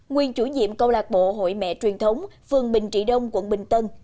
nguyên chủ nhiệm câu lạc bộ hội mẹ truyền thống phường bình trị đông quận bình tân